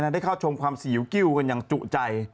ได้เข้าชมความสีหิวกิ้วกันอย่างจุใจ